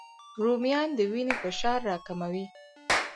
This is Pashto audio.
رومیان د وینې فشار راکموي